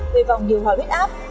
về vòng nhiều hòa huyết áp